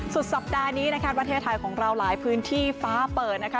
สุดสัปดาห์นี้นะคะประเทศไทยของเราหลายพื้นที่ฟ้าเปิดนะคะ